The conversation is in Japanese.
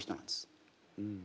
うん。